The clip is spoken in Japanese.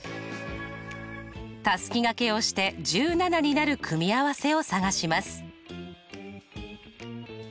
たすきがけをして１７になる組み合わせを探します。